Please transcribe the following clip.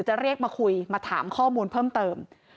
จะเรียกมาคุยมาถามข้อมูลเพิ่มเติม